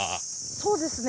そうですね